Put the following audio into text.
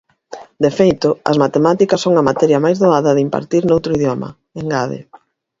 De feito, as matemáticas son a materia máis doada de impartir noutro idioma, engade.